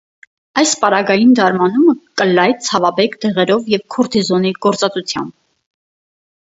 Այս պարագային դարմանումը կ՛ըլլայ ցաւաբեկ դեղերով եւ քորթիզոնի գործածութեամբ։